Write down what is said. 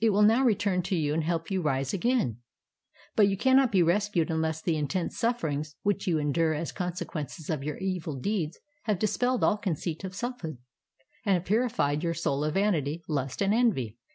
It will now return to you and help you to rise again. But you cannot be rescued unless the intense sufferings which 3'ou endure as conse quences of your exil deeds have dispelled all conceit of selfhood and have purified your soul of vanity, lust, and envy.'